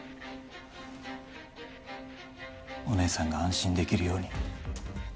お姉さんが安心できるように